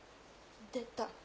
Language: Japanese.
出た。